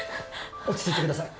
落ち着いてください。